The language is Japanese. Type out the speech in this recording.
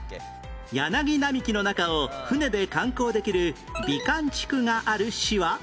柳並木の中を舟で観光できる美観地区がある市は？